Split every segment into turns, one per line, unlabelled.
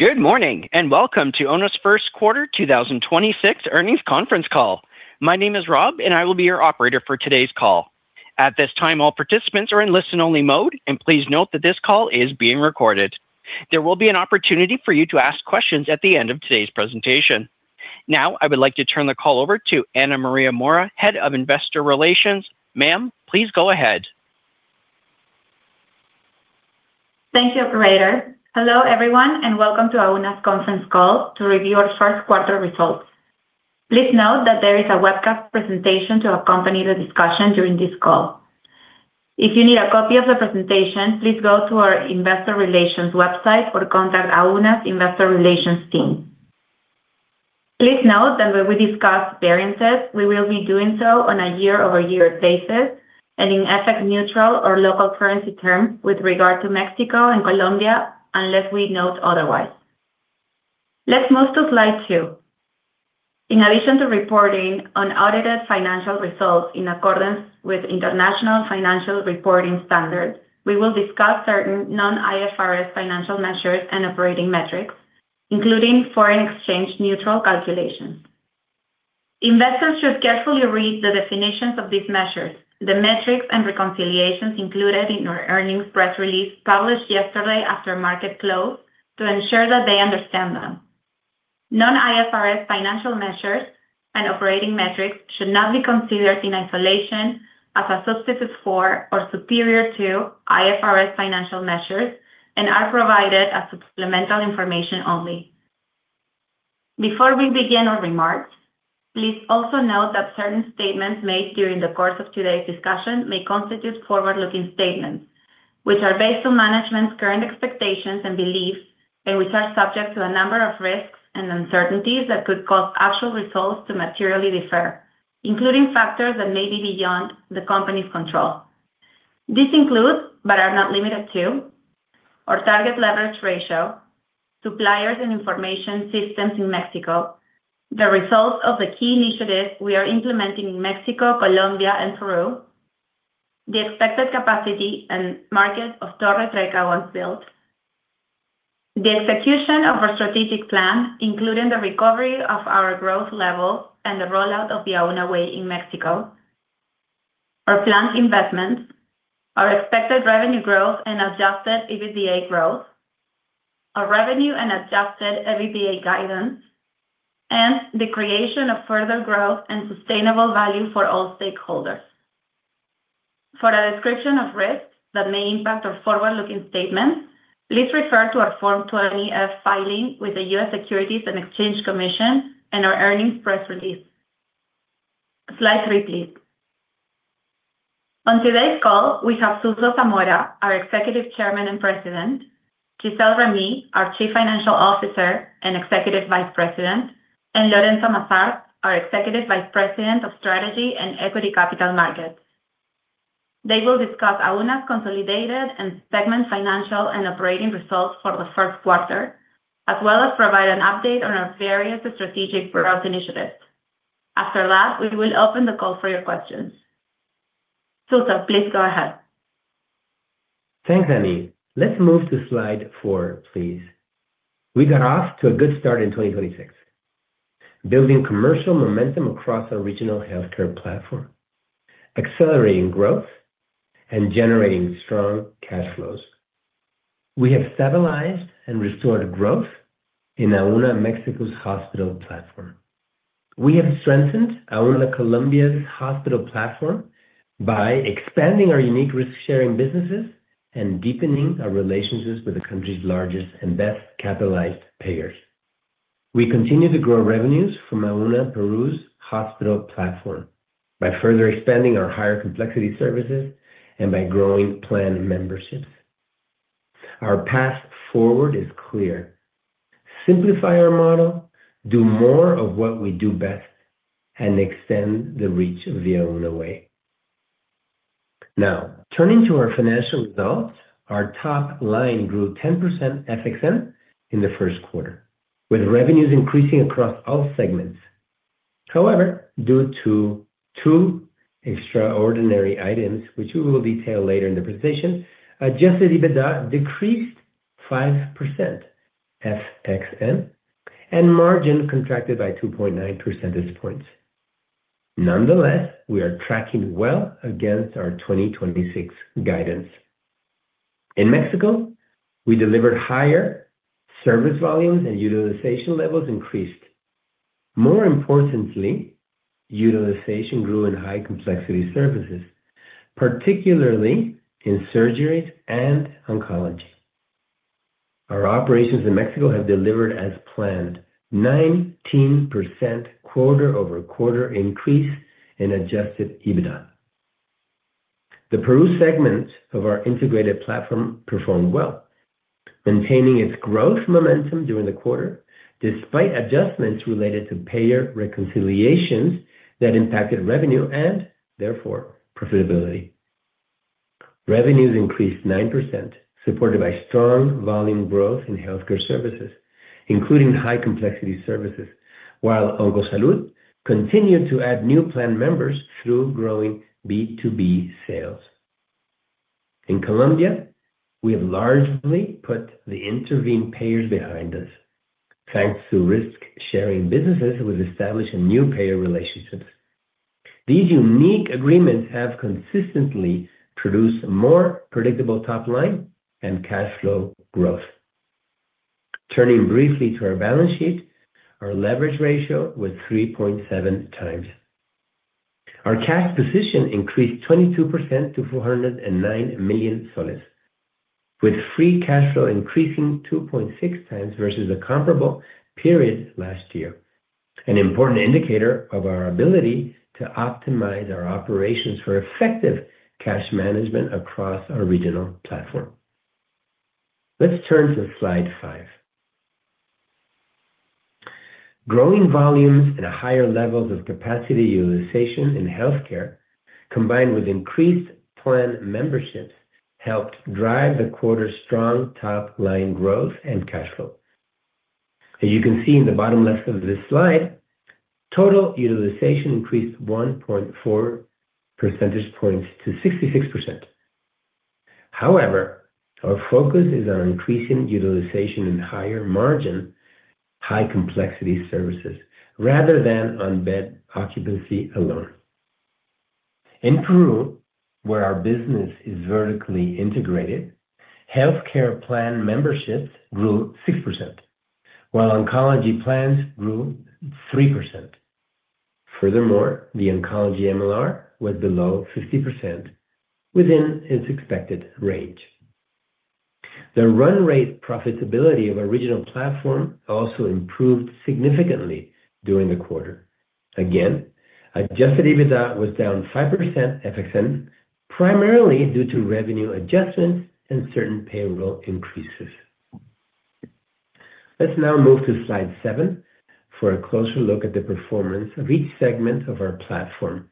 Good morning, and welcome to Auna's first quarter 2026 earnings conference call. My name is Rob, and I will be your operator for today's call. At this time, all participants are in listen only mode, and please note that this call is being recorded. There will be an opportunity for you to ask questions at the end of today's presentation. Now, I would like to turn the call over to Ana Maria Mora, Head of Investor Relations. Ma'am, please go ahead.
Thank you, operator. Hello, everyone, welcome to Auna's conference call to review our first quarter results. Please note that there is a webcast presentation to accompany the discussion during this call. If you need a copy of the presentation, please go to our investor relations website or contact Auna's investor relations team. Please note that when we discuss variances, we will be doing so on a year-over-year basis and in FX neutral or local currency terms with regard to Mexico and Colombia, unless we note otherwise. Let's move to slide two. In addition to reporting on audited financial results in accordance with International Financial Reporting Standards, we will discuss certain non-IFRS financial measures and operating metrics, including foreign exchange neutral calculations. Investors should carefully read the definitions of these measures, the metrics and reconciliations included in our earnings press release published yesterday after market close to ensure that they understand them. Non-IFRS financial measures and operating metrics should not be considered in isolation as a substitute for or superior to IFRS financial measures and are provided as supplemental information only. Before we begin our remarks, please also note that certain statements made during the course of today's discussion may constitute forward-looking statements, which are based on management's current expectations and beliefs, and which are subject to a number of risks and uncertainties that could cause actual results to materially differ, including factors that may be beyond the company's control. This includes, but are not limited to: our target leverage ratio, suppliers and information systems in Mexico, the results of the key initiatives we are implementing in Mexico, Colombia, and Peru, the expected capacity and market of Torre Trecca once built, the execution of our strategic plan, including the recovery of our growth level and the rollout of the AunaWay in Mexico, our planned investments, our expected revenue growth and adjusted EBITDA growth, our revenue and adjusted EBITDA guidance, and the creation of further growth and sustainable value for all stakeholders. For a description of risks that may impact our forward-looking statements, please refer to our Form 20-F filing with the U.S. Securities and Exchange Commission and our earnings press release. Slide three, please. On today's call, we have Jesús Zamora, our Executive Chairman and President, Gisele Remy, our Chief Financial Officer and Executive Vice President, and Laurent Massart, our Executive Vice President of Strategy and Equity Capital Markets. They will discuss Auna's consolidated and segment financial and operating results for the first quarter, as well as provide an update on our various strategic growth initiatives. After last, we will open the call for your questions. Jesús, please go ahead.
Thanks, Annie. Let's move to slide four, please. We got off to a good start in 2026, building commercial momentum across our regional healthcare platform, accelerating growth, and generating strong cash flows. We have stabilized and restored growth in Auna Mexico's hospital platform. We have strengthened Auna Colombia's hospital platform by expanding our unique risk-sharing businesses and deepening our relationships with the country's largest and best capitalized payers. We continue to grow revenues from Auna Peru's hospital platform by further expanding our higher complexity services and by growing plan memberships. Our path forward is clear: simplify our model, do more of what we do best, and extend the reach of the AunaWay. Now, turning to our financial results. Our top line grew 10% FXN in the first quarter, with revenues increasing across all segments. Due to two extraordinary items, which we will detail later in the presentation, adjusted EBITDA decreased 5% FXN, and margin contracted by 2.9 percentage points. Nonetheless, we are tracking well against our 2026 guidance. In Mexico, we delivered higher service volumes, and utilization levels increased. More importantly, utilization grew in high complexity services, particularly in surgeries and oncology. Our operations in Mexico have delivered as planned, 19% quarter-over-quarter increase in adjusted EBITDA. The Peru segment of our integrated platform performed well, maintaining its growth momentum during the quarter despite adjustments related to payer reconciliations that impacted revenue and therefore profitability. Revenues increased 9%, supported by strong volume growth in healthcare services, including high complexity services, while Oncosalud continued to add new plan members through growing B2B sales. In Colombia, we have largely put the intervene payers behind us. Thanks to risk-sharing businesses, we've established new payer relationships. These unique agreements have consistently produced more predictable top line and cash flow growth. Turning briefly to our balance sheet, our leverage ratio was 3.7 times. Our cash position increased 22% to PEN 409 million, with free cash flow increasing 2.6 times versus the comparable period last year. An important indicator of our ability to optimize our operations for effective cash management across our regional platform. Let's turn to slide five. Growing volumes and higher levels of capacity utilization in healthcare, combined with increased plan memberships, helped drive the quarter's strong top line growth and cash flow. As you can see in the bottom left of this slide, total utilization increased 1.4 percentage points to 66%. However, our focus is on increasing utilization in higher margin, high complexity services rather than on bed occupancy alone. In Peru, where our business is vertically integrated, healthcare plan memberships grew 6%, while oncology plans grew 3%. The oncology MLR was below 50% within its expected range. Again, adjusted EBITDA was down 5% FX, primarily due to revenue adjustments and certain payroll increases. Let's now move to slide seven for a closer look at the performance of each segment of our platform,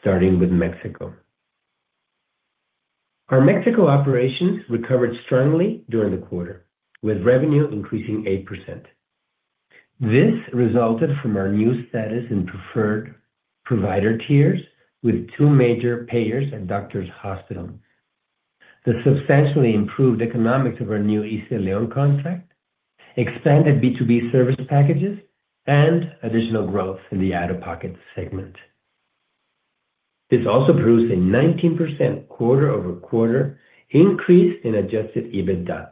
starting with Mexico. Our Mexico operations recovered strongly during the quarter, with revenue increasing 8%. This resulted from our new status in preferred provider tiers with two major payers and Doctors Hospital. The substantially improved economics of our new ISSSTELEON contract expanded B2B service packages and additional growth in the out-of-pocket segment. This also proves a 19% quarter-over-quarter increase in adjusted EBITDA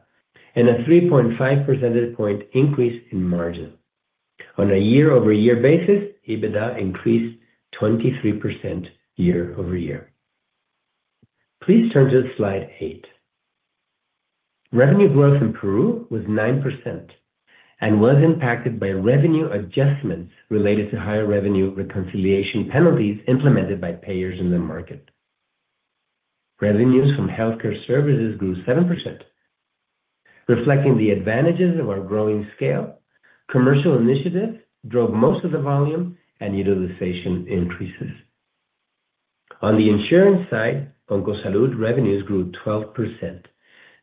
and a 3.5 percentage point increase in margin. On a year-over-year basis, EBITDA increased 23% year-over-year. Please turn to slide eight. Revenue growth in Peru was 9% and was impacted by revenue adjustments related to higher revenue reconciliation penalties implemented by payers in the market. Revenues from healthcare services grew 7%, reflecting the advantages of our growing scale. Commercial initiatives drove most of the volume and utilization increases. On the insurance side, Oncosalud revenues grew 12%,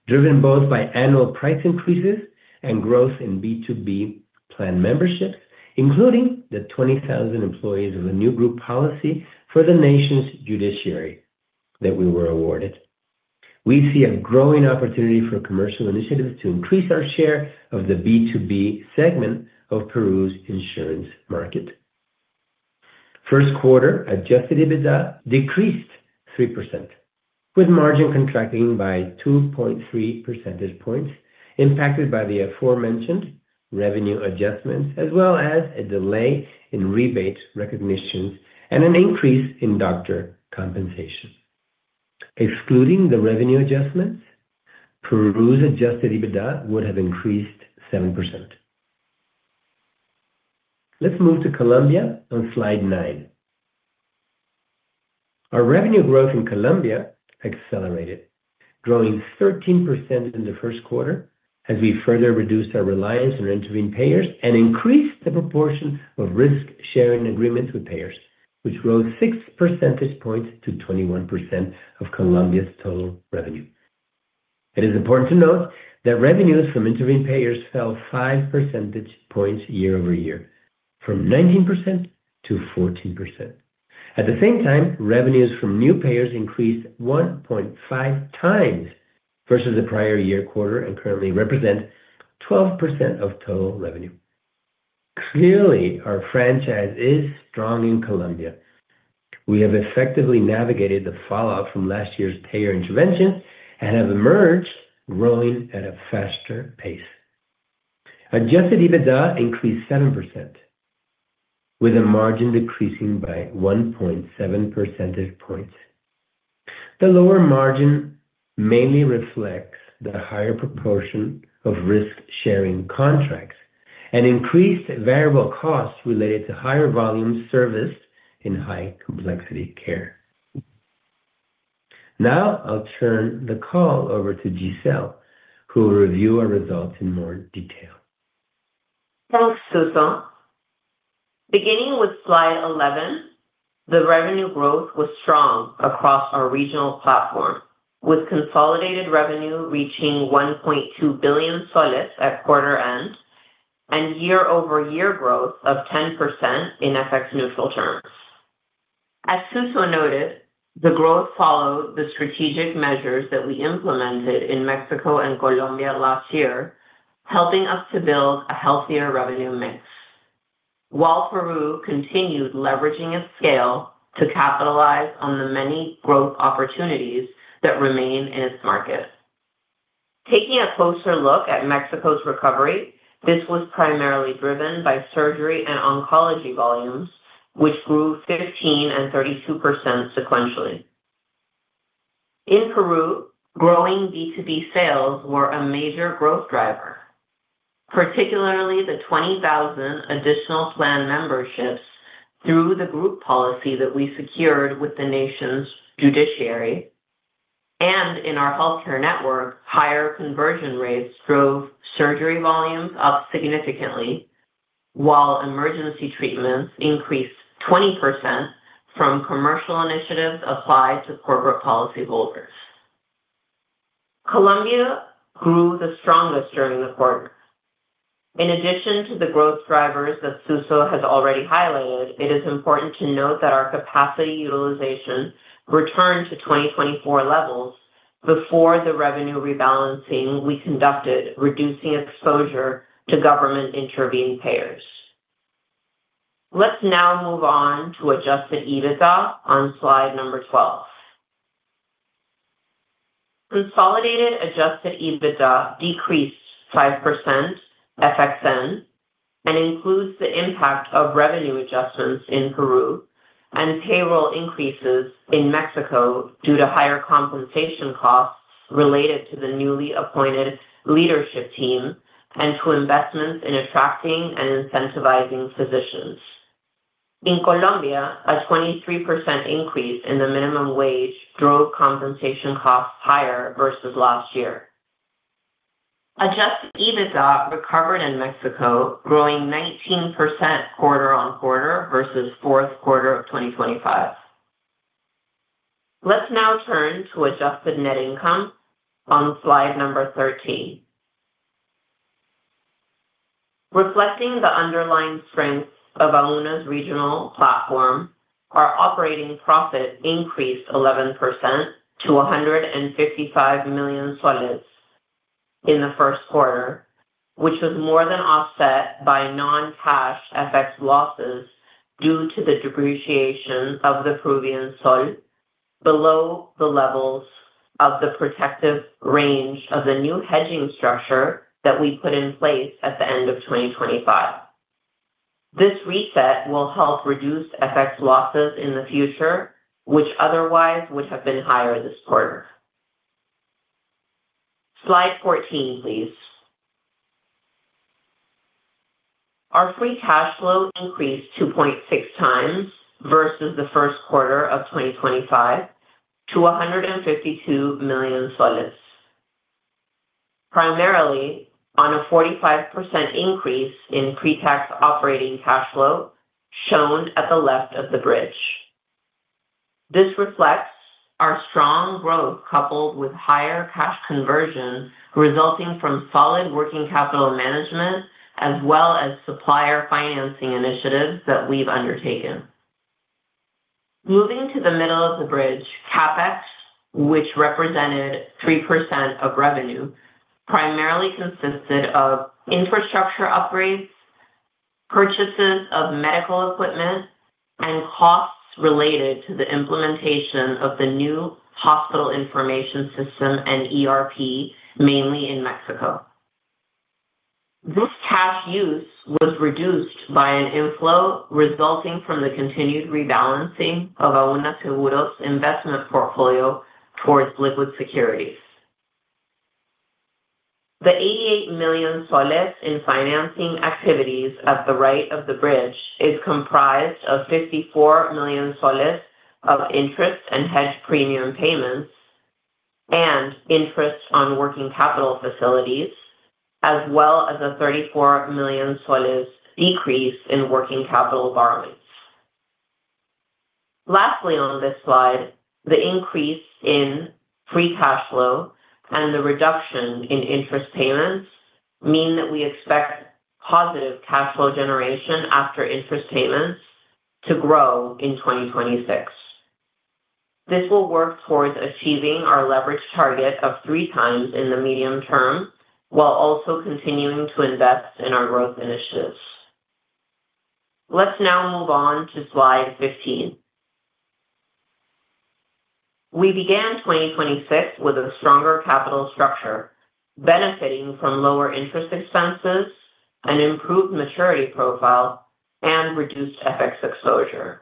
driven both by annual price increases and growth in B2B plan membership, including the 20,000 employees of a new group policy for the nation's judiciary that we were awarded. We see a growing opportunity for commercial initiatives to increase our share of the B2B segment of Peru's insurance market. First quarter adjusted EBITDA decreased 3%, with margin contracting by 2.3 percentage points impacted by the aforementioned revenue adjustments, as well as a delay in rebate recognitions and an increase in doctor compensation. Excluding the revenue adjustments, Peru's adjusted EBITDA would have increased 7%. Let's move to Colombia on slide nine. Our revenue growth in Colombia accelerated, growing 13% in the first quarter as we further reduced our reliance on intervene payers and increased the proportion of risk-sharing agreements with payers, which rose 6 percentage points to 21% of Colombia's total revenue. It is important to note that revenues from intervene payers fell 5 percentage points year-over-year from 19%-14%. At the same time, revenues from new payers increased 1.5 times versus the prior year quarter and currently represent 12% of total revenue. Clearly, our franchise is strong in Colombia. We have effectively navigated the fallout from last year's payer intervention and have emerged growing at a faster pace. Adjusted EBITDA increased 7% with a margin decreasing by 1.7 percentage points. The lower margin mainly reflects the higher proportion of risk-sharing contracts and increased variable costs related to higher volume service in high complexity care. Now I'll turn the call over to Gisele, who will review our results in more detail.
Thanks, Jesús. Beginning with slide 11, the revenue growth was strong across our regional platform, with consolidated revenue reaching PEN 1.2 billion at quarter end. Year-over-year growth of 10% in FX neutral terms. As Jesús noted, the growth followed the strategic measures that we implemented in Mexico and Colombia last year, helping us to build a healthier revenue mix. While Peru continued leveraging its scale to capitalize on the many growth opportunities that remain in its market. Taking a closer look at Mexico's recovery, this was primarily driven by surgery and oncology volumes, which grew 15% and 32% sequentially. In Peru, growing B2B sales were a major growth driver, particularly the 20,000 additional plan memberships through the group policy that we secured with the nation's judiciary. In our healthcare network, higher conversion rates drove surgery volumes up significantly, while emergency treatments increased 20% from commercial initiatives applied to corporate policyholders. Colombia grew the strongest during the quarter. In addition to the growth drivers that Jesús has already highlighted, it is important to note that our capacity utilization returned to 2024 levels before the revenue rebalancing we conducted, reducing exposure to government intervene payers. Let's now move on to adjusted EBITDA on slide number 12. Consolidated adjusted EBITDA decreased 5% FXN and includes the impact of revenue adjustments in Peru and payroll increases in Mexico due to higher compensation costs related to the newly appointed leadership team and to investments in attracting and incentivizing physicians. In Colombia, a 23% increase in the minimum wage drove compensation costs higher versus last year. Adjusted EBITDA recovered in Mexico, growing 19% quarter-on-quarter versus fourth quarter of 2025. Let's now turn to adjusted net income on slide number 13. Reflecting the underlying strengths of Auna's regional platform, our operating profit increased 11% to PEN 155 million in the first quarter, which was more than offset by non-cash FX losses due to the depreciation of the Peruvian sol below the levels of the protective range of the new hedging structure that we put in place at the end of 2025. This reset will help reduce FX losses in the future, which otherwise would have been higher this quarter. Slide 14, please. Our free cash flow increased 2.6 times versus the first quarter of 2025 to PEN 152 million, primarily on a 45% increase in pre-tax operating cash flow shown at the left of the bridge. This reflects our strong growth coupled with higher cash conversion resulting from solid working capital management as well as supplier financing initiatives that we've undertaken. Moving to the middle of the bridge, CapEx, which represented 3% of revenue, primarily consisted of infrastructure upgrades, purchases of medical equipment, and costs related to the implementation of the new hospital information system and ERP, mainly in Mexico. This cash use was reduced by an inflow resulting from the continued rebalancing of Auna Seguros' investment portfolio towards liquid securities. The PEN 88 million in financing activities at the right of the bridge is comprised of PEN 54 million of interest and hedge premium payments and interest on working capital facilities, as well as a PEN 34 million decrease in working capital borrowings. Lastly, on this slide, the increase in free cash flow and the reduction in interest payments mean that we expect positive cash flow generation after interest payments to grow in 2026. This will work towards achieving our leverage target of three times in the medium term while also continuing to invest in our growth initiatives. Let's now move on to slide 15. We began 2026 with a stronger capital structure, benefiting from lower interest expenses, an improved maturity profile, and reduced FX exposure.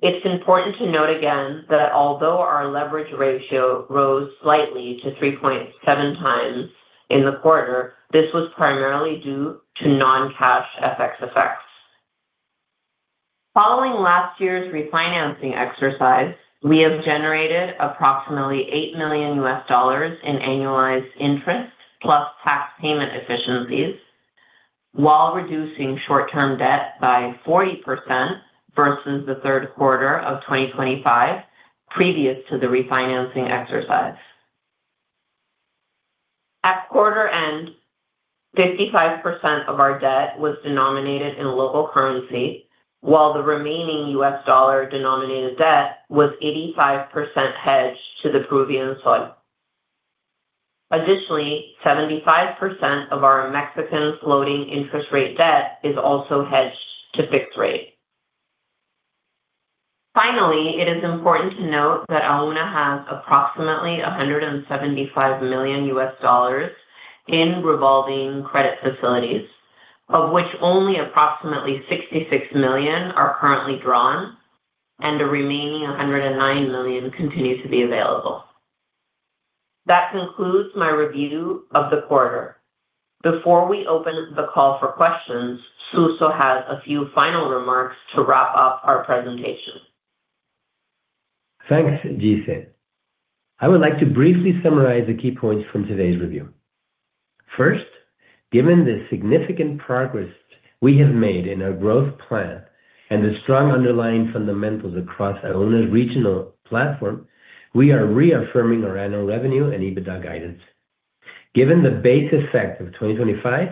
It's important to note again that although our leverage ratio rose slightly to 3.7 times in the quarter, this was primarily due to non-cash FX effects. Following last year's refinancing exercise, we have generated approximately $8 million in annualized interest plus tax payment efficiencies while reducing short-term debt by 40% versus the 3rd quarter of 2025 previous to the refinancing exercise. At quarter end, 55% of our debt was denominated in local currency, while the remaining U.S. dollar-denominated debt was 85% hedged to the Peruvian sol. Additionally, 75% of our Mexican floating interest rate debt is also hedged to fixed rate. Finally, it is important to note that Auna has approximately $175 million in revolving credit facilities, of which only approximately $66 million are currently drawn, and the remaining $109 million continue to be available. That concludes my review of the quarter. Before we open the call for questions, Jesús has a few final remarks to wrap up our presentation.
Thanks, Gisele. I would like to briefly summarize the key points from today's review. First, given the significant progress we have made in our growth plan and the strong underlying fundamentals across Auna's regional platform, we are reaffirming our annual revenue and EBITDA guidance. Given the base effect of 2025,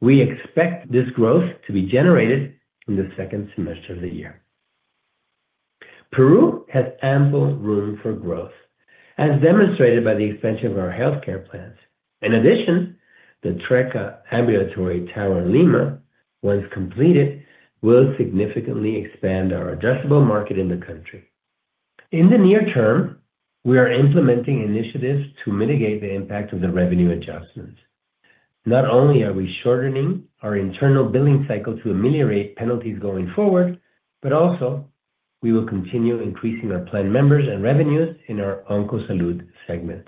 we expect this growth to be generated in the second semester of the year. Peru has ample room for growth, as demonstrated by the expansion of our healthcare plans. In addition, the Trecca Ambulatory Tower Lima, once completed, will significantly expand our addressable market in the country. In the near term, we are implementing initiatives to mitigate the impact of the revenue adjustments. Not only are we shortening our internal billing cycle to ameliorate penalties going forward, but also we will continue increasing our plan members and revenues in our Oncosalud segment.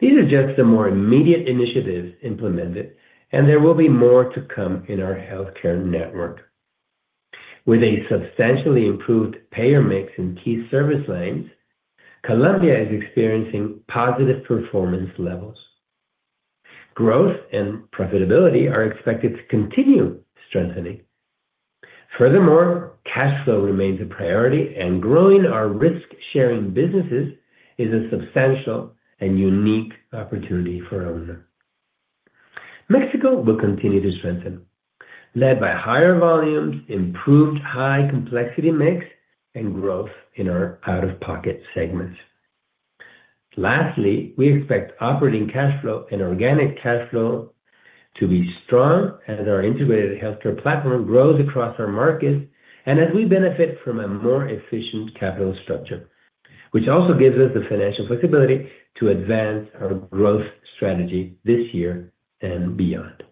These are just the more immediate initiatives implemented, and there will be more to come in our healthcare network. With a substantially improved payer mix in key service lines, Colombia is experiencing positive performance levels. Growth and profitability are expected to continue strengthening. Furthermore, cash flow remains a priority, and growing our risk-sharing businesses is a substantial and one unique opportunity for Auna. Mexico will continue to strengthen, led by higher volumes, improved high complexity mix, and growth in our out-of-pocket segments. Lastly, we expect operating cash flow and organic cash flow to be strong as our integrated healthcare platform grows across our markets and as we benefit from a more efficient capital structure. Which also gives us the financial flexibility to advance our growth strategy this year and beyond.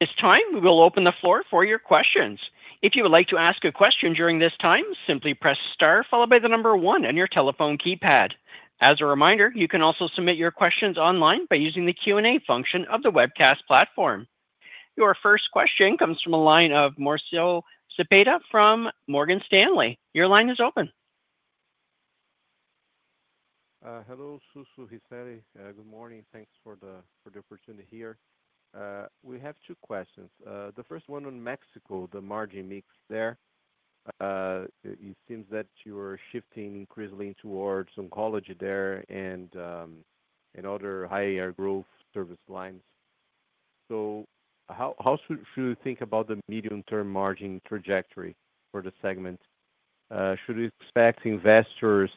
It's time we will open the floor for your questions. If you would like to ask a question during this time, simply press star followed by the one on your telephone keypad. As a reminder, you can also submit your questions online by using the Q&A function of the webcast platform. Your first question comes from a line of Mauricio Cepeda from Morgan Stanley. Your line is open.
Hello, Jesús, Gisele. Good morning. Thanks for the opportunity here. We have two questions. The first one on Mexico, the margin mix there. It seems that you are shifting increasingly towards oncology there and other higher growth service lines. How should we think about the medium-term margin trajectory for the segment? Should investors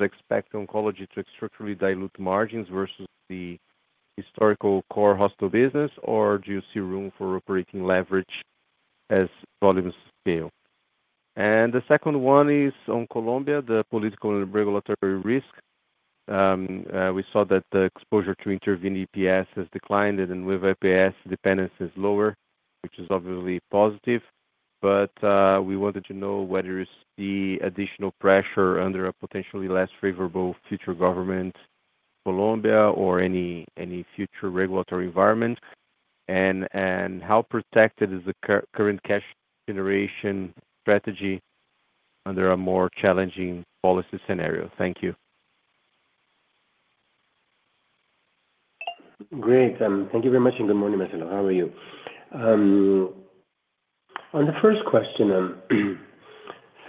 expect oncology to structurally dilute margins versus the historical core hospital business? Or do you see room for operating leverage as volumes scale? The second one is on Colombia, the political and regulatory risk. We saw that the exposure to intervene EPSS has declined, and then with EPSS, dependence is lower, which is obviously positive. We wanted to know whether it's the additional pressure under a potentially less favorable future government Colombia or any future regulatory environment. How protected is the current cash generation strategy under a more challenging policy scenario? Thank you.
Great. Thank you very much. Good morning, Marcelo. How are you? On the first question,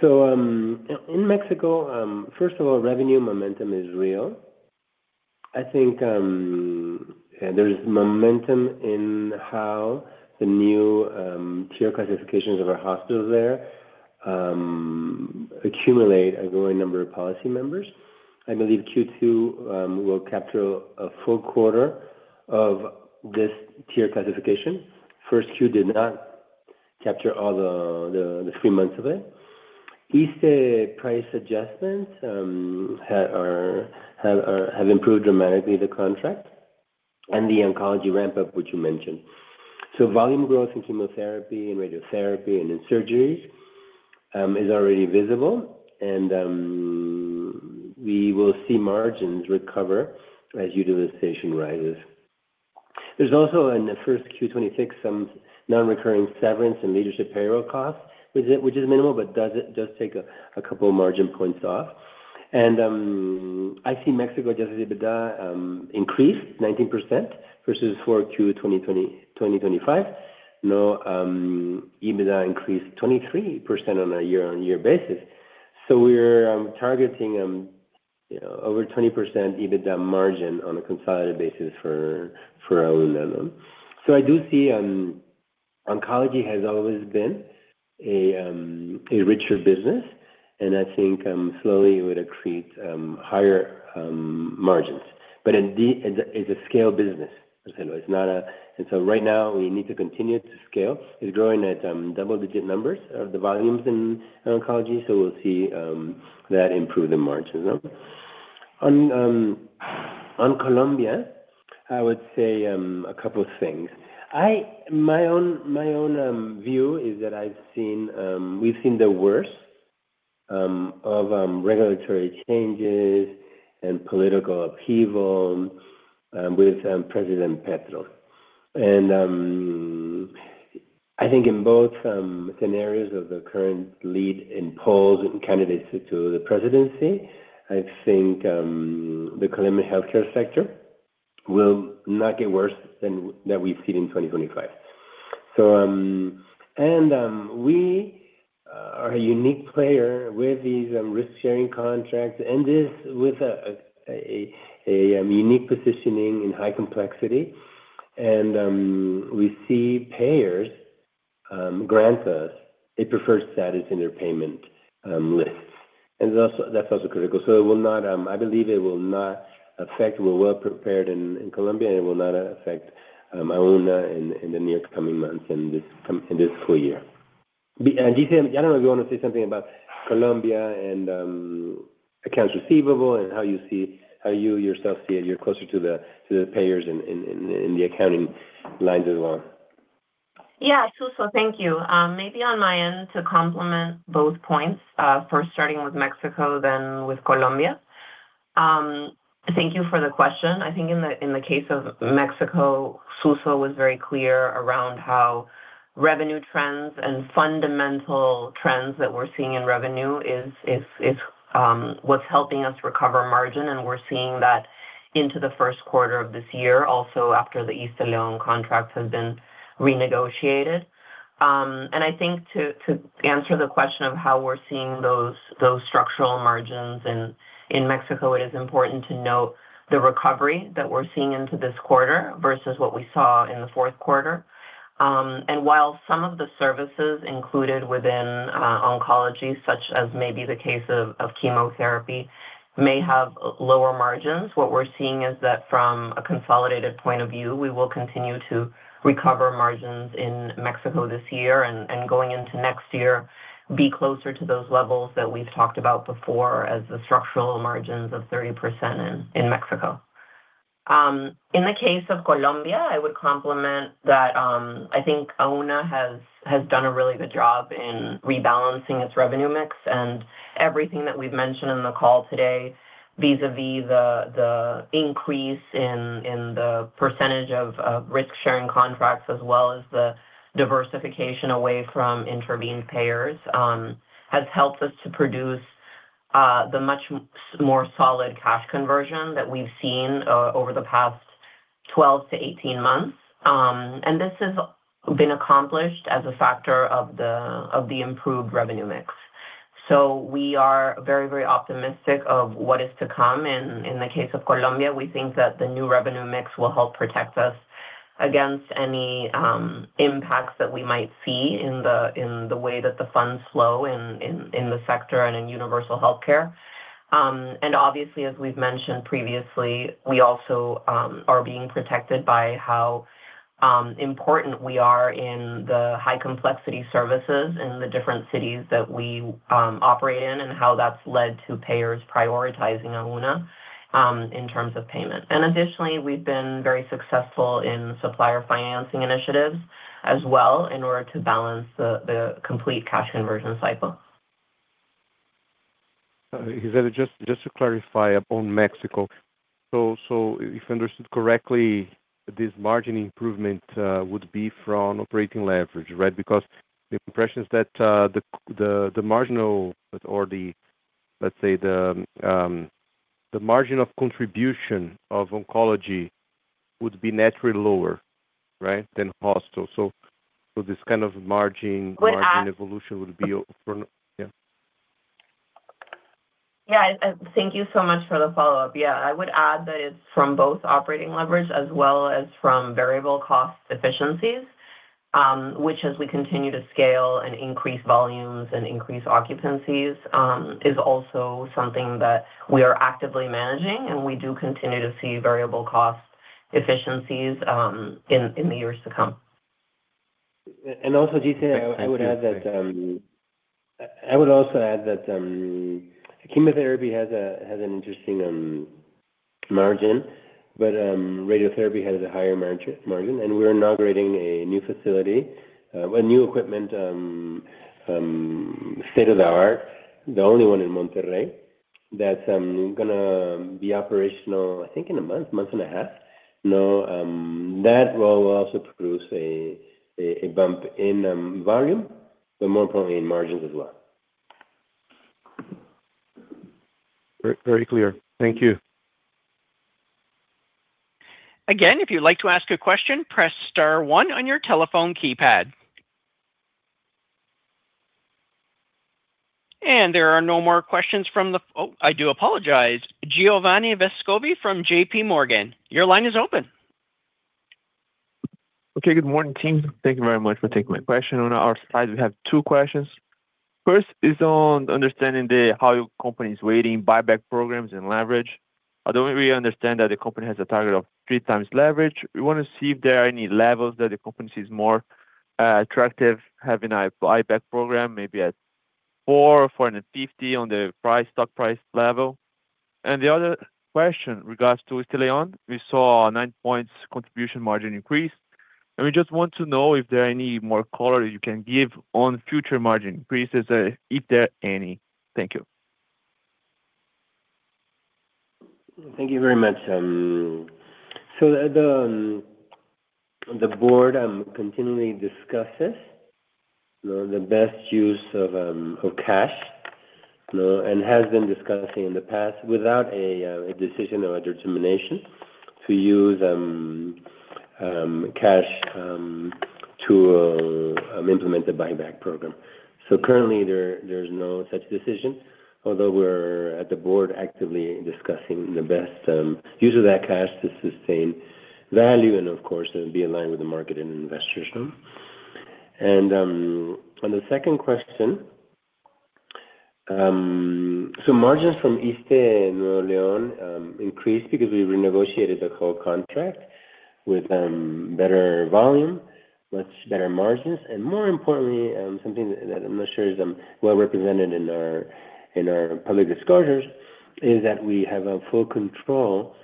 in Mexico, first of all, revenue momentum is real. I think there's momentum in how the new tier classifications of our hospitals there accumulate a growing number of policy members. I believe Q2 will capture a full quarter of this tier classification. First Q did not capture all the three months of it. ISSSTE price adjustments have improved dramatically the contract. The oncology ramp-up, which you mentioned. Volume growth in chemotherapy and radiotherapy and in surgeries is already visible. We will see margins recover as utilization rises. There's also in the first Q 2026 some non-recurring severance and leadership payroll costs, which is minimal, but does take a couple of margin points off. I see Mexico adjusted EBITDA increase 19% versus 4Q 2020, 2025. Now, EBITDA increased 23% on a year-on-year basis. We're targeting, you know, over 20% EBITDA margin on a consolidated basis for Auna. I do see oncology has always been a richer business, and I think slowly it would accrete higher margins. Indeed, it's a scale business, Marcelo. Right now we need to continue to scale. It's growing at double-digit numbers of the volumes in oncology, so we'll see that improve the margins. On Colombia, I would say a couple of things. My own, my own view is that I've seen, we've seen the worst of regulatory changes and political upheaval with President Petro. I think in both scenarios of the current lead in polls and candidates to the presidency, I think the Colombian healthcare sector will not get worse than we've seen in 2025. We are a unique player with these risk-sharing contracts and this with a unique positioning in high complexity. We see payers grant us a preferred status in their payment lists. That's also critical. It will not, I believe it will not affect. We're well-prepared in Colombia, it will not affect Auna in the next coming months in this full year. Gisele, I don't know if you wanna say something about Colombia and accounts receivable and how you yourself see it. You're closer to the payers in the accounting lines as well.
Yeah, Jesús, thank you. Maybe on my end to complement both points, first starting with Mexico, then with Colombia. Thank you for the question. I think in the case of Mexico, Jesús was very clear around how revenue trends and fundamental trends that we're seeing in revenue is what's helping us recover margin, and we're seeing that into the first quarter of this year. Also, after the ISSSTELEON contracts have been renegotiated. I think to answer the question of how we're seeing those structural margins in Mexico, it is important to note the recovery that we're seeing into this quarter versus what we saw in the fourth quarter. While some of the services included within oncology, such as maybe the case of chemotherapy, may have lower margins. What we're seeing is that from a consolidated point of view, we will continue to recover margins in Mexico this year and going into next year, be closer to those levels that we've talked about before as the structural margins of 30% in Mexico. In the case of Colombia, I would complement that, I think Auna has done a really good job in rebalancing its revenue mix. Everything that we've mentioned in the call today vis-a-vis the increase in the percentage of risk-sharing contracts as well as the diversification away from intervening payers, has helped us to produce the much more solid cash conversion that we've seen over the past 12 to 18 months. This has been accomplished as a factor of the improved revenue mix. We are very, very optimistic of what is to come. In the case of Colombia, we think that the new revenue mix will help protect us against any impacts that we might see in the way that the funds flow in the sector and in universal healthcare. Obviously, as we've mentioned previously, we also are being protected by how important we are in the high complexity services in the different cities that we operate in and how that's led to payers prioritizing Auna in terms of payment. Additionally, we've been very successful in supplier financing initiatives as well in order to balance the complete cash conversion cycle.
Gisele, just to clarify on Mexico. If I understood correctly, this margin improvement would be from operating leverage, right? The impression is that the marginal or, let's say, the margin of contribution of oncology would be naturally lower, right, than hospital.
Would add.
Margin evolution would be for Yeah.
Thank you so much for the follow-up. I would add that it's from both operating leverage as well as from variable cost efficiencies, which as we continue to scale and increase volumes and increase occupancies, is also something that we are actively managing, and we do continue to see variable cost efficiencies in the years to come.
And also Gisele
Thank you. Thank you.
I would add that, I would also add that, chemotherapy has an interesting margin, but radiotherapy has a higher margin. We're inaugurating a new facility, a new equipment, state-of-the-art, the only one in Monterrey that's gonna be operational, I think in one month and a half. That will also produce a bump in volume. More importantly in margins as well.
Very clear. Thank you.
If you'd like to ask a question, press star one on your telephone keypad. There are no more questions. Oh, I do apologize. Giovanni Vescovi from JPMorgan, your line is open.
Okay. Good morning, team. Thank you very much for taking my question. On our side, we have 2 questions. First is on understanding how your company is weighting buyback programs and leverage. Although we understand that the company has a target of three times leverage, we want to see if there are any levels that the company sees more attractive having a buyback program maybe at PEN 4, PEN 450 on the stock price level. The other question regards to ISSSTELEON. We saw nine points contribution margin increase. We just want to know if there are any more color you can give on future margin increases, if there are any. Thank you.
Thank you very much. The board continually discusses the best use of cash, you know, and has been discussing in the past without a decision or a determination to use cash to implement the buyback program. Currently there's no such decision, although we are at the board actively discussing the best use of that cash to sustain value and of course, be in line with the market and investors. On the second question, margins from ISSSTELEON increased because we renegotiated the whole contract with better volume, much better margins, and more importantly, something that I'm not sure is well represented in our, in our public disclosures, is that we have a full control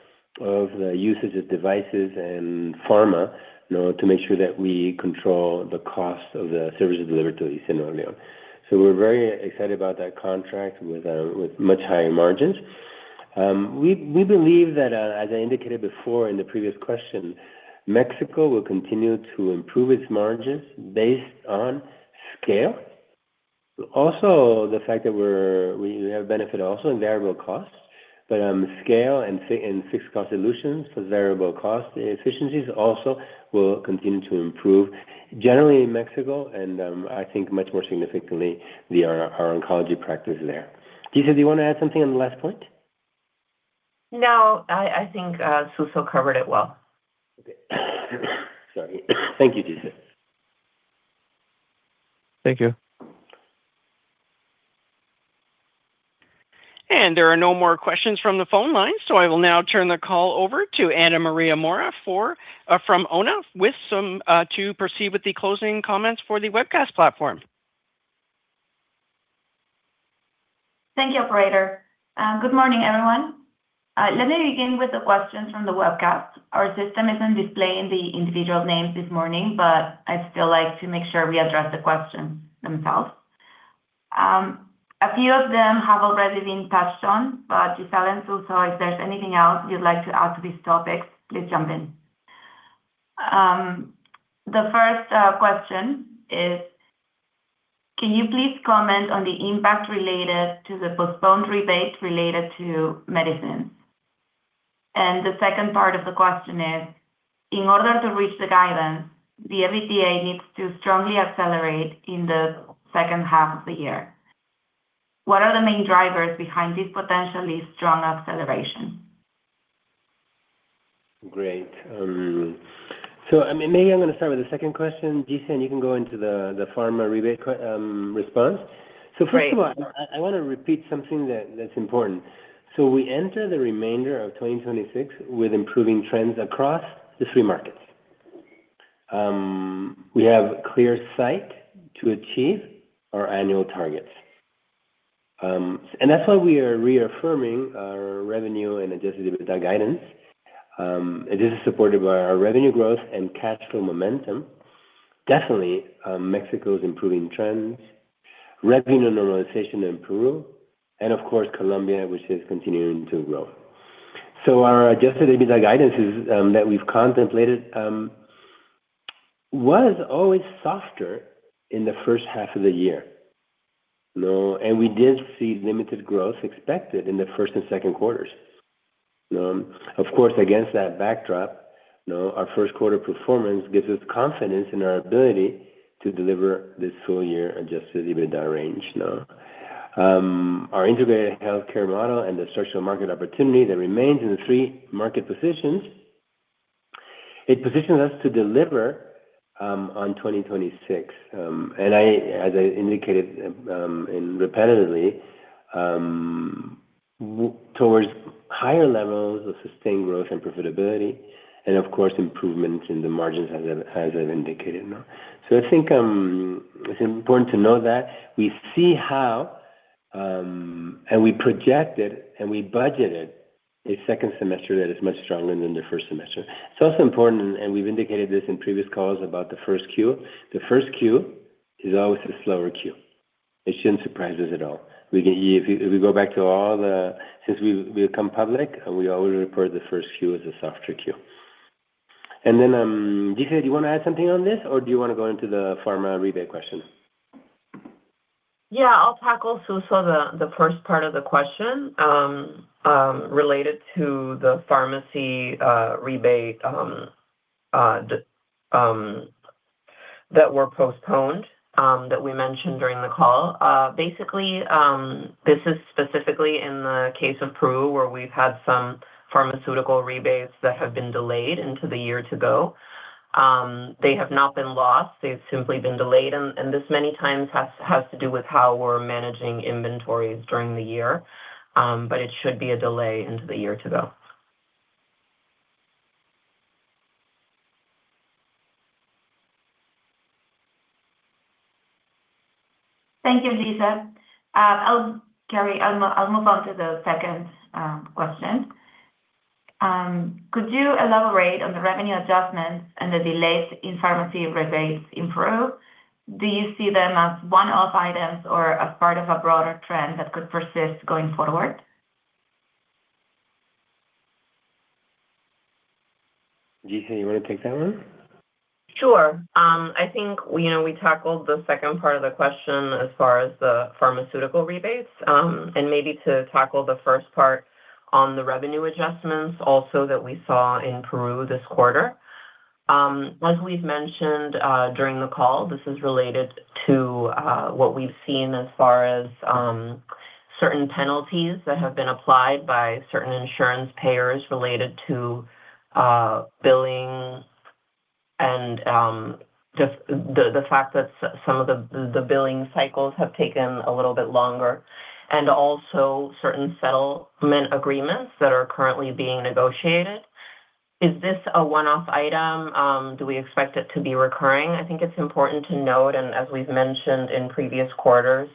of the usage of devices and pharma, you know, to make sure that we control the cost of the services delivered to ISSSTELEON. We're very excited about that contract with much higher margins. We believe that, as I indicated before in the previous question, Mexico will continue to improve its margins based on scale. The fact that we have benefit also in variable costs, but scale and fixed cost solutions for variable cost efficiencies also will continue to improve generally in Mexico and I think much more significantly via our oncology practice there. Gisa, do you wanna add something on the last point?
No, I think, Jesús covered it well.
Okay. Sorry. Thank you, Gisa.
Thank you.
There are no more questions from the phone line, so I will now turn the call over to Ana Maria Mora for from Auna with some to proceed with the closing comments for the webcast platform.
Thank you, operator. Good morning, everyone. Let me begin with the questions from the webcast. Our system isn't displaying the individual names this morning. I'd still like to make sure we address the question themselves. A few of them have already been touched on. Gisele and Jesús, if there's anything else you'd like to add to these topics, please jump in. The first question is, "Can you please comment on the impact related to the postponed rebates related to medicines?" The second part of the question is, "In order to reach the guidance, the EBITDA needs to strongly accelerate in the second half of the year. What are the main drivers behind this potentially strong acceleration?
Great. I mean, maybe I'm gonna start with the second question. Gisa, you can go into the pharma rebate response.
Great.
First of all, I wanna repeat something that's important. We enter the remainder of 2026 with improving trends across the three markets. We have clear sight to achieve our annual targets. That's why we are reaffirming our revenue and adjusted EBITDA guidance. It is supported by our revenue growth and cash flow momentum. Definitely, Mexico's improving trends, revenue normalization in Peru, and of course, Colombia, which is continuing to grow. Our adjusted EBITDA guidance is, that we've contemplated, was always softer in the 1st half of the year, you know, and we did see limited growth expected in the 1st and 2nd quarters. Of course, against that backdrop, you know, our 1st quarter performance gives us confidence in our ability to deliver this full year adjusted EBITDA range, you know. Our integrated healthcare model and the structural market opportunity that remains in the three market positions, it positions us to deliver on 2026, and I, as I indicated, and repetitively, towards higher levels of sustained growth and profitability and of course, improvement in the margins as I've indicated, you know. I think, it's important to know that we see how, and we projected and we budgeted a second semester that is much stronger than the first semester. It's also important, and we've indicated this in previous calls about the 1st Q. The 1st Q is always a slower Q. It shouldn't surprise us at all. We can, if we go back to all the since we've come public, we always report the 1st Q as a softer Q.Then, Gisa, do you wanna add something on this, or do you wanna go into the pharma rebate question?
Yeah, I'll tackle, Jesús, the first part of the question, related to the pharmacy rebate that were postponed that we mentioned during the call. Basically, this is specifically in the case of Peru, where we've had some pharmaceutical rebates that have been delayed into the year to go. They have not been lost. They've simply been delayed and this many times has to do with how we're managing inventories during the year. It should be a delay into the year to go.
Thank you, Gisele. I'll move on to the second question. Could you elaborate on the revenue adjustments and the delays in pharmacy rebates in Peru? Do you see them as one-off items or as part of a broader trend that could persist going forward?
Gisa, you wanna take that one?
Sure. I think we, you know, tackled the second part of the question as far as the pharmaceutical rebates. Maybe to tackle the first part on the revenue adjustments also that we saw in Peru this quarter. Like we've mentioned, during the call, this is related to what we've seen as far as certain penalties that have been applied by certain insurance payers related to billing and just the fact that some of the billing cycles have taken a little bit longer, and also certain settlement agreements that are currently being negotiated. Is this a one-off item? Do we expect it to be recurring? I think it's important to note. As we've mentioned in previous quarters,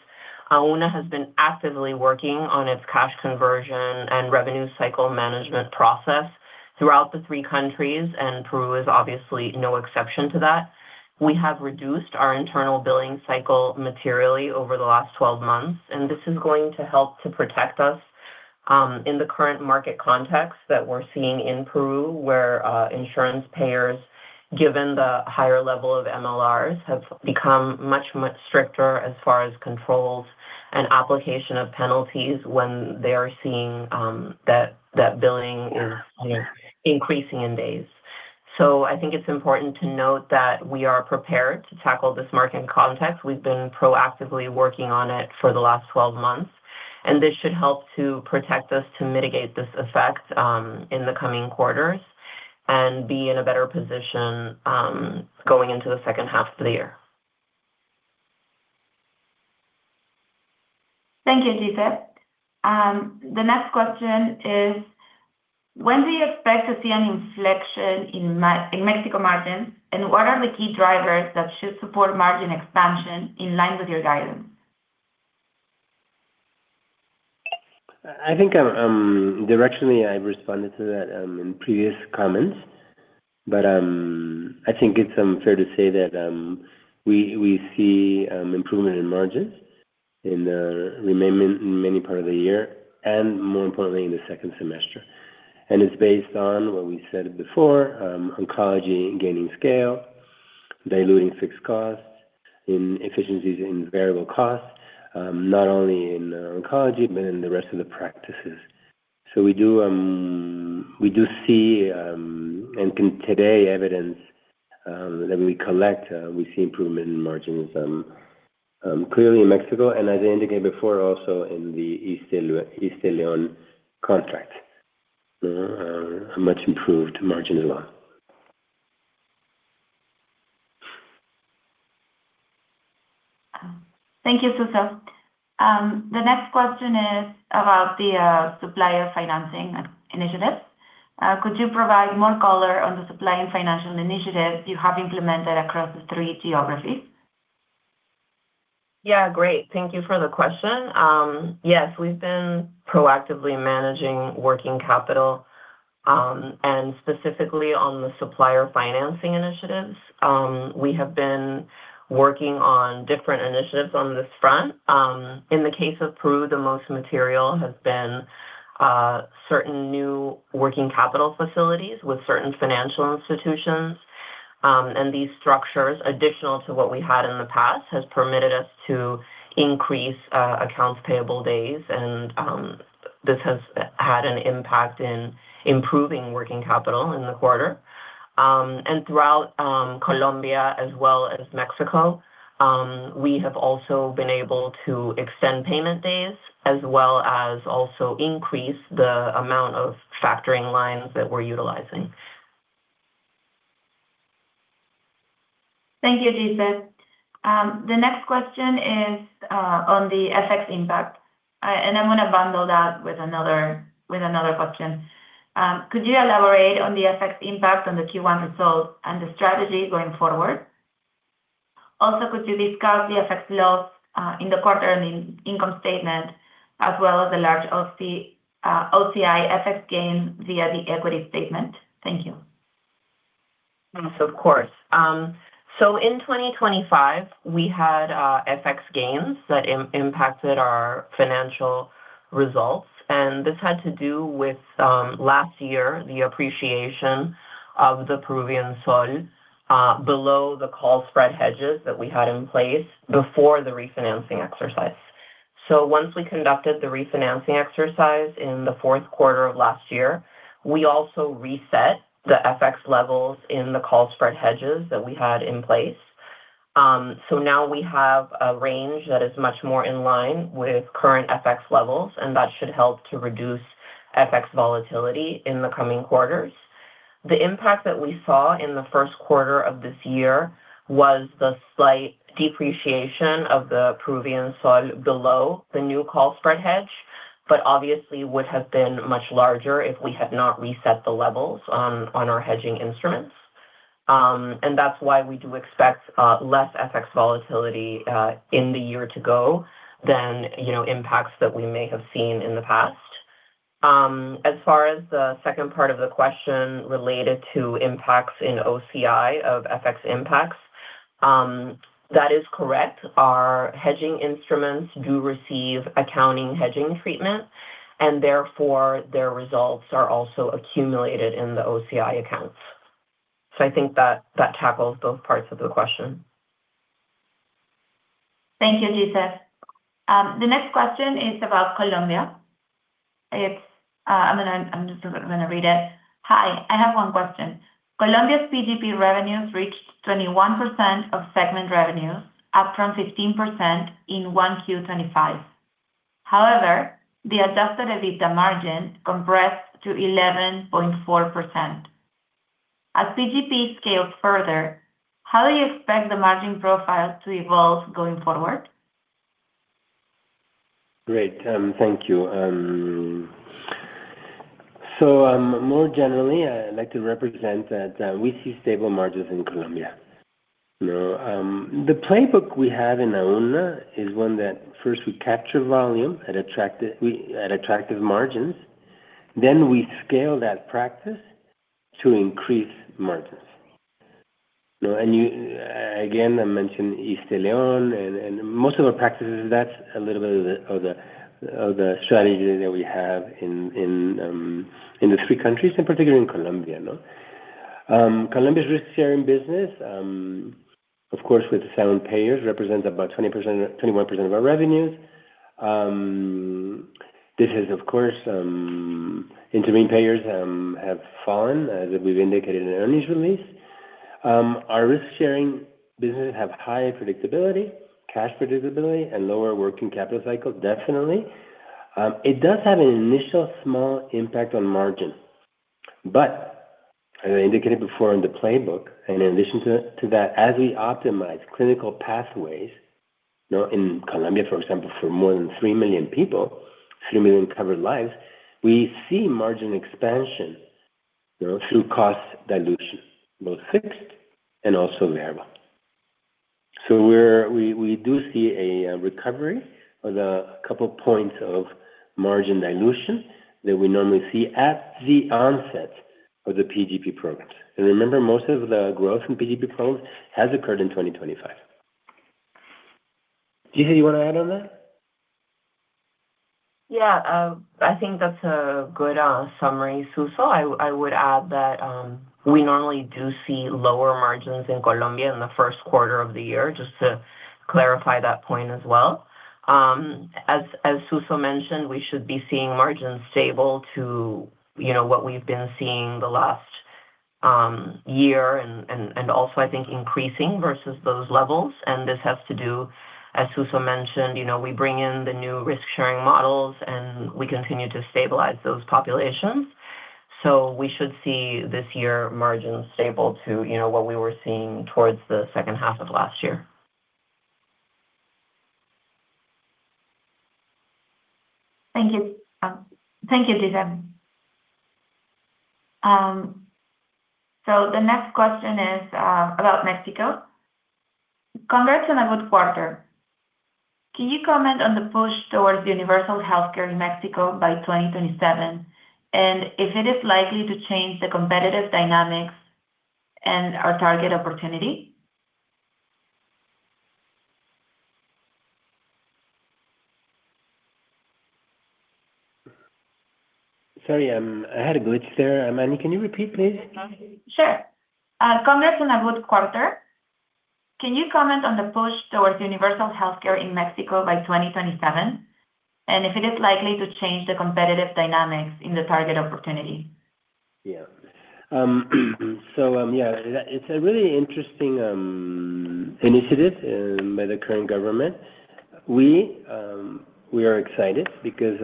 Auna has been actively working on its cash conversion and revenue cycle management process throughout the three countries. Peru is obviously no exception to that. We have reduced our internal billing cycle materially over the last 12 months. This is going to help to protect us in the current market context that we're seeing in Peru, where insurance payers, given the higher level of MLRs, have become much, much stricter as far as controls and application of penalties when they are seeing that billing is increasing in days. I think it's important to note that we are prepared to tackle this market context. We've been proactively working on it for the last 12 months, and this should help to protect us to mitigate this effect, in the coming quarters and be in a better position, going into the second half of the year.
Thank you, Gisele Remy. The next question is: When do you expect to see an inflection in Mexico margin, and what are the key drivers that should support margin expansion in line with your guidance?
I think, directionally, I've responded to that in previous comments. I think it's fair to say that we see improvement in margins in many part of the year and more importantly, in the second semester. It's based on what we said before, oncology gaining scale, diluting fixed costs in efficiencies in variable costs, not only in oncology but in the rest of the practices. We do see and can today evidence that we collect, we see improvement in margins, clearly in Mexico and as I indicated before, also in the ISSSTELEON contract. There are a much improved margin as well.
Thank you, Jesús. The next question is about the Supplier Financing Initiative. Could you provide more color on the Supplier Financing Initiative you have implemented across the three geographies?
Yeah, great. Thank you for the question. Yes, we've been proactively managing working capital, and specifically on the supplier financing initiatives. We have been working on different initiatives on this front. In the case of Peru, the most material has been certain new working capital facilities with certain financial institutions. These structures, additional to what we had in the past, has permitted us to increase accounts payable days and this has had an impact in improving working capital in the quarter. Throughout Colombia as well as Mexico, we have also been able to extend payment days as well as also increase the amount of factoring lines that we're utilizing.
Thank you, Gisele Remy. The next question is on the FX impact. I'm gonna bundle that with another question. Could you elaborate on the FX impact on the Q1 results and the strategy going forward? Also, could you discuss the FX loss in the quarter and income statement as well as the large OCI FX gain via the equity statement? Thank you.
Yes, of course. In 2025, we had FX gains that impacted our financial results. This had to do with last year, the appreciation of the Peruvian sol below the call spread hedges that we had in place before the refinancing exercise. Once we conducted the refinancing exercise in the fourth quarter of last year, we also reset the FX levels in the call spread hedges that we had in place. Now we have a range that is much more in line with current FX levels, and that should help to reduce FX volatility in the coming quarters. The impact that we saw in the first quarter of this year was the slight depreciation of the Peruvian sol below the new call spread hedge, but obviously would have been much larger if we had not reset the levels on our hedging instruments. That's why we do expect less FX volatility in the year to go than, you know, impacts that we may have seen in the past. As far as the second part of the question related to impacts in OCI of FX impacts, that is correct. Our hedging instruments do receive accounting hedging treatment, and therefore their results are also accumulated in the OCI accounts. I think that tackles both parts of the question.
Thank you, Gisele. The next question is about Colombia. It's, I'm gonna, I'm just gonna read it. "Hi, I have one question. Colombia's PGP revenues reached 21% of segment revenues, up from 15% in 1Q 2025. However, the adjusted EBITDA margin compressed to 11.4%. As PGP scales further, how do you expect the margin profile to evolve going forward?
Great. Thank you. More generally, I'd like to represent that we see stable margins in Colombia. You know, the playbook we have in Auna is one that first we capture volume at attractive margins, then we scale that practice to increase margins. You know, again, I mentioned ISSSTELEON and most of our practices, that's a little bit of the strategy that we have in the three countries, in particular in Colombia, you know. Colombia's risk-sharing business, of course, with the sound payers, represents about 20%, 21% of our revenues. This is of course, intervene payers, have fallen, as we've indicated in earnings release. Our risk-sharing business have high predictability, cash predictability, and lower working capital cycles, definitely. It does have an initial small impact on margin. As I indicated before in the playbook, in addition to that, as we optimize clinical pathways, you know, in Colombia, for example, for more than 3 million people, 3 million covered lives, we see margin expansion, you know, through cost dilution, both fixed and also variable. We do see a recovery of the couple points of margin dilution that we normally see at the onset of the PGP programs. Remember, most of the growth in PGP programs has occurred in 2025. Gisele, you wanna add on that?
Yeah. I think that's a good summary, Jesús. I would add that we normally do see lower margins in Colombia in the first quarter of the year, just to clarify that point as well. As Jesús mentioned, we should be seeing margins stable to, you know, what we've been seeing the last year and also, I think, increasing versus those levels. This has to do, as Jesús mentioned, you know, we bring in the new risk-sharing models, and we continue to stabilize those populations. We should see this year margins stable to, you know, what we were seeing towards the second half of last year.
Thank you. Thank you, Gisele. The next question is about Mexico. Congrats on a good quarter. Can you comment on the push towards universal healthcare in Mexico by 2027, and if it is likely to change the competitive dynamics and our target opportunity?
Sorry, I had a glitch there. Annie, can you repeat, please?
Sure. Congrats on a good quarter. Can you comment on the push towards universal healthcare in Mexico by 2027, and if it is likely to change the competitive dynamics in the target opportunity?
It's a really interesting initiative by the current government. We are excited because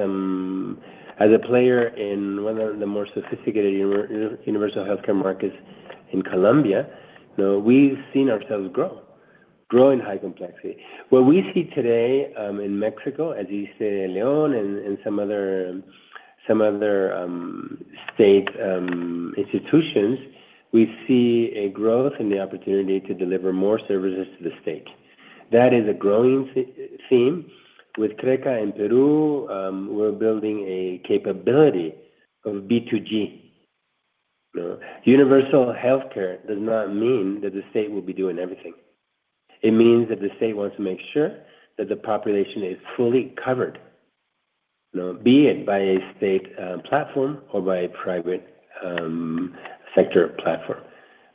as a player in one of the more sophisticated universal healthcare markets in Colombia, you know, we've seen ourselves grow in high complexity. What we see today in Mexico, as you said, Leon and some other state institutions, we see a growth in the opportunity to deliver more services to the state. That is a growing theme. With Trecca in Peru, we're building a capability of B2G. You know, universal healthcare does not mean that the state will be doing everything. It means that the state wants to make sure that the population is fully covered. You know, be it by a state platform or by a private sector platform.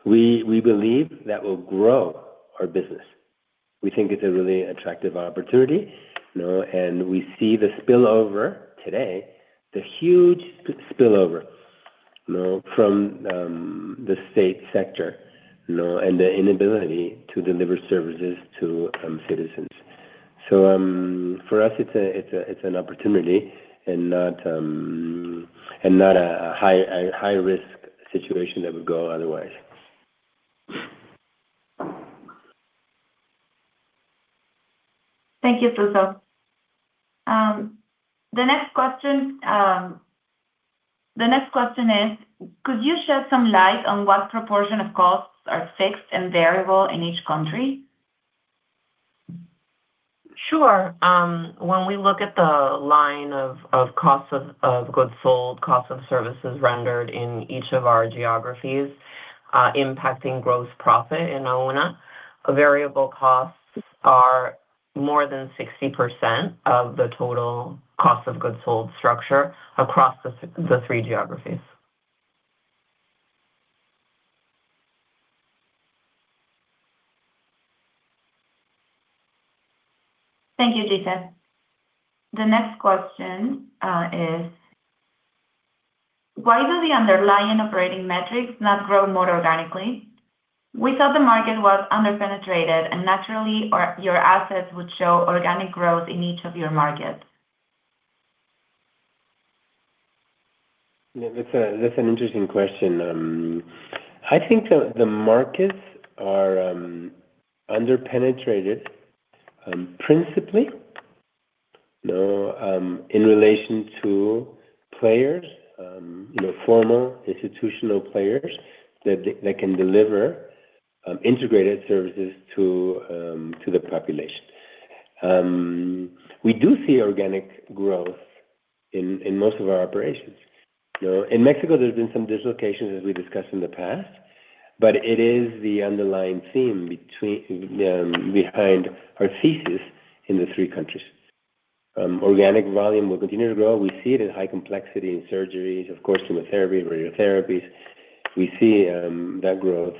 We believe that will grow our business. We think it's a really attractive opportunity, you know, and we see the spillover today, the huge spillover, you know, from the state sector, you know, and the inability to deliver services to citizens. For us it's an opportunity and not a high-risk situation that would go otherwise.
Thank you, Jesús. The next question is, "Could you shed some light on what proportion of costs are fixed and variable in each country?
Sure. When we look at the line of cost of goods sold, cost of services rendered in each of our geographies, impacting gross profit in Auna, variable costs are more than 60% of the total cost of goods sold structure across the three geographies.
Thank you, Gisa. The next question is, "Why do the underlying operating metrics not grow more organically? We thought the market was under-penetrated and naturally or your assets would show organic growth in each of your markets.
Yeah, that's a, that's an interesting question. I think the markets are under-penetrated, principally, you know, in relation to players, you know, formal institutional players that they can deliver integrated services to to the population. We do see organic growth in most of our operations. You know, in Mexico there's been some dislocations as we discussed in the past, but it is the underlying theme between behind our thesis in the three countries. Organic volume will continue to grow. We see it in high complexity in surgeries, of course, chemotherapy, radiotherapies. We see that growth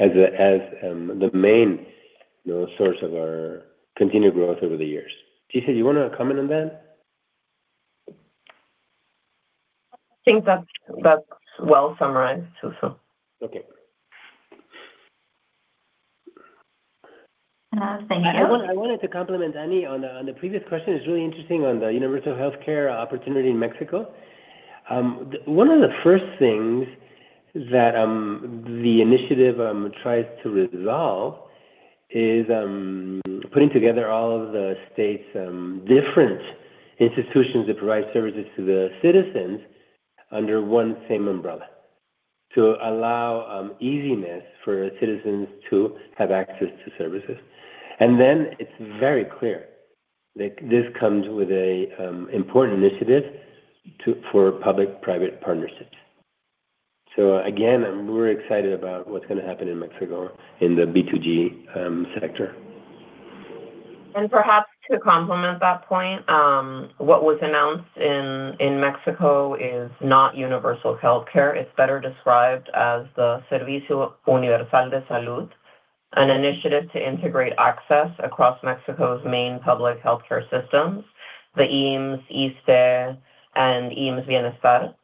as the, as the main, you know, source of our continued growth over the years. Gisele, you wanna comment on that?
I think that's well summarized, Jesús.
Okay.
Thank you.
I wanted to compliment Annie on the, on the previous question. It's really interesting on the universal healthcare opportunity in Mexico. One of the first things that the initiative tries to resolve is putting together all of the state's different institutions that provide services to the citizens under one same umbrella to allow easiness for citizens to have access to services. Then it's very clear that this comes with a important initiative to, for public-private partnerships. Again, I'm very excited about what's gonna happen in Mexico in the B2G sector.
Perhaps to complement that point, what was announced in Mexico is not universal healthcare. It's better described as the Servicio Universal de Salud, an initiative to integrate access across Mexico's main public healthcare systems, the IMSS, ISSSTE, and IMSS-Bienestar,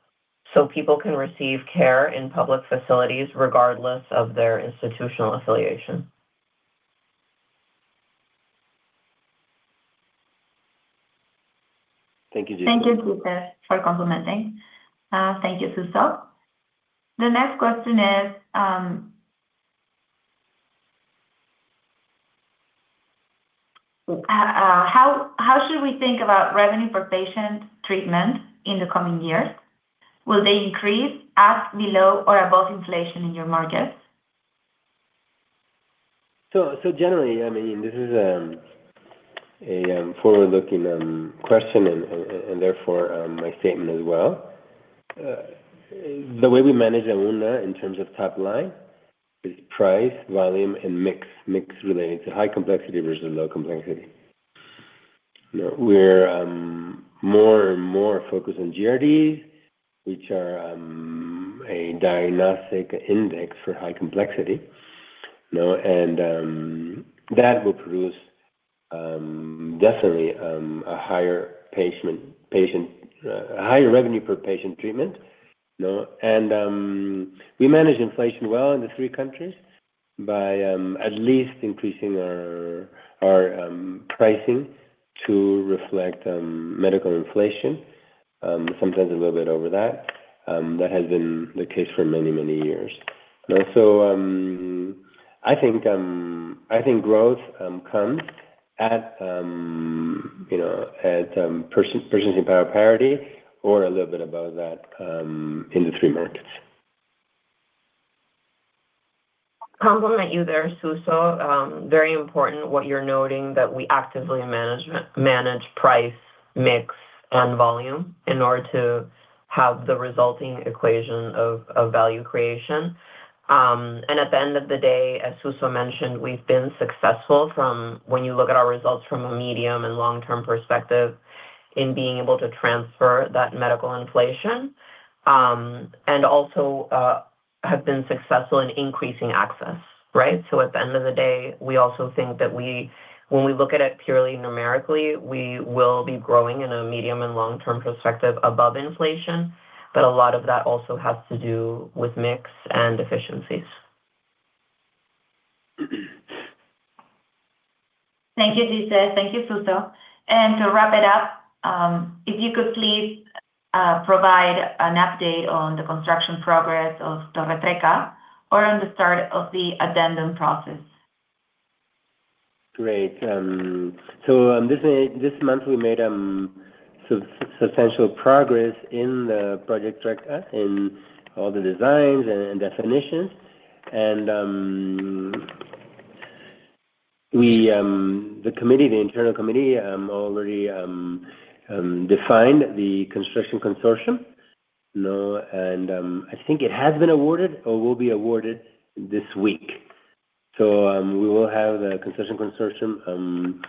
so people can receive care in public facilities regardless of their institutional affiliation.
Thank you, Gisa.
Thank you, Gisa, for complementing. Thank you, Jesús. The next question is, "How should we think about revenue per patient treatment in the coming years? Will they increase at, below, or above inflation in your markets?
Generally, I mean, this is a forward-looking question and therefore my statement as well. The way we manage Auna in terms of top line is price, volume, and mix. Mix relating to high complexity versus low complexity. You know, we're more and more focused on DRGs, which are a diagnostic index for high complexity, you know. That will produce definitely a higher revenue per patient treatment, you know. We manage inflation well in the three countries by at least increasing our pricing to reflect medical inflation. Sometimes a little bit over that. That has been the case for many years. I think growth comes at, you know, at purchasing power parity or a little bit above that, in the three markets.
Complement you there, Jesús. Very important what you're noting that we actively manage price, mix, and volume in order to have the resulting equation of value creation. At the end of the day, as Jesús mentioned, we've been successful from when you look at our results from a medium and long-term perspective in being able to transfer that medical inflation, and also have been successful in increasing access, right? At the end of the day, we also think that when we look at it purely numerically, we will be growing in a medium and long-term perspective above inflation. A lot of that also has to do with mix and efficiencies.
Thank you, Gisele. Thank you, Jesús. To wrap it up, if you could please provide an update on the construction progress of Torre Trecca or on the start of the addendum process?
Great. This month we made substantial progress in the project Trecca in all the designs and definitions. The committee, the internal committee, already defined the construction consortium. I think it has been awarded or will be awarded this week. We will have the construction consortium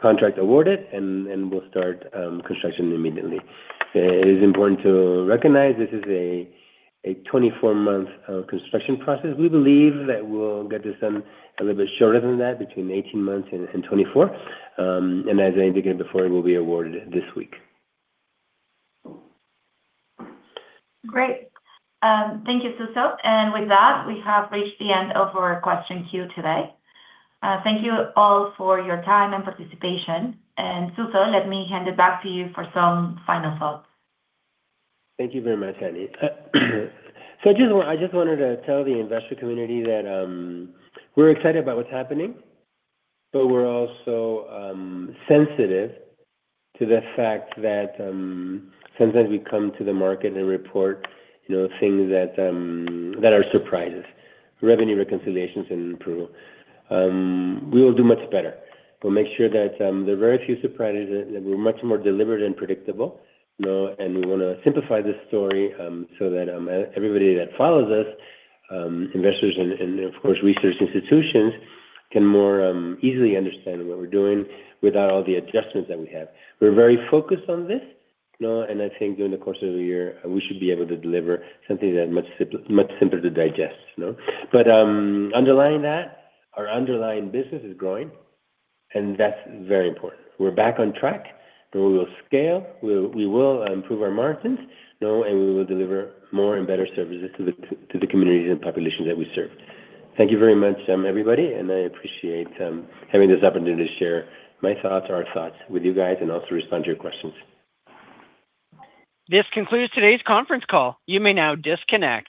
contract awarded and we'll start construction immediately. It is important to recognize this is a 24-month construction process. We believe that we'll get this done a little bit shorter than that, between 18 months and 24. As I indicated before, it will be awarded this week.
Great. Thank you, Jesús. With that, we have reached the end of our question queue today. Thank you all for your time and participation. Jesús, let me hand it back to you for some final thoughts.
Thank you very much, Annie. I just wanted to tell the investor community that we're excited about what's happening, but we're also sensitive to the fact that sometimes we come to the market and report, you know, things that that are surprises, revenue reconciliations in Peru. We will do much better. We'll make sure that there are very few surprises and we're much more deliberate and predictable. You know, we wanna simplify this story so that everybody that follows us, investors and of course, research institutions can more easily understand what we're doing without all the adjustments that we have. We're very focused on this. You know, I think during the course of the year, we should be able to deliver something that much simpler to digest, you know. Underlying that, our underlying business is growing, and that's very important. We're back on track, and we will scale. We will improve our margins, you know, and we will deliver more and better services to the communities and populations that we serve. Thank you very much, everybody, and I appreciate having this opportunity to share my thoughts, our thoughts with you guys and also respond to your questions.
This concludes today's conference call. You may now disconnect.